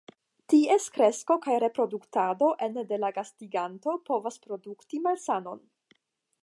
Ties kresko kaj reproduktado ene de la gastiganto povas produkti malsanon.